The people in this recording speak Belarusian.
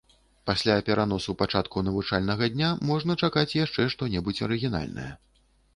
Пасля пераносу пачатку навучальнага дня можна чакаць яшчэ што-небудзь арыгінальнае.